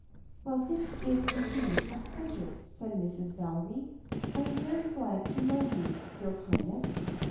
"Well, this is indeed a pleasure!" said Mrs. Valery. "I am very glad to know you, your Highness."